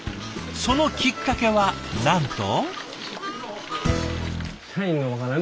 そのきっかけはなんと。